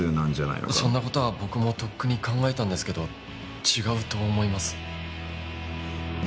そんな事は僕もとっくに考えたんですけど違うと思います。